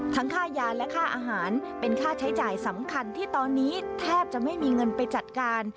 ค่ายาและค่าอาหารเป็นค่าใช้จ่ายสำคัญที่ตอนนี้แทบจะไม่มีเงินไปจัดการ